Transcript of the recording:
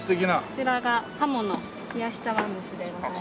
こちらがハモの冷やし茶碗蒸しでございます。